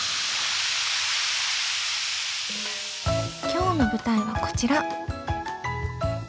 今日の舞台はこちら。